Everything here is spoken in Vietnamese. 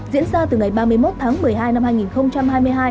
diễn ra từ ngày ba mươi một tháng một mươi hai năm hai nghìn hai mươi hai